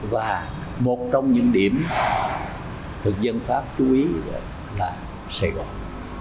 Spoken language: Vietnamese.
và một trong những điểm thực dân pháp chú ý là sài gòn